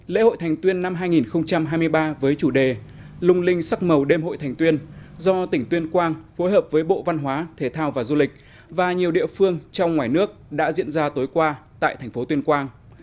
lễ hội thành tuyên năm hai nghìn hai mươi ba với chủ đề lung linh sắc màu đêm hội thành tuyên do tỉnh tuyên quang phối hợp với bộ văn hóa thể thao và du lịch và nhiều địa phương trong ngoài nước đã diễn ra tối qua tại thành phố tuyên quang